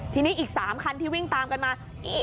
ทีนี้อีก๓คันที่วิ่งตามกันมา